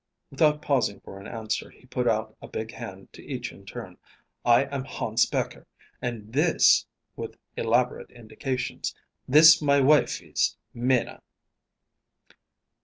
Without pausing for an answer, he put out a big hand to each in turn. "I am Hans Becher, and this" with elaborate indications "this my wife is Minna."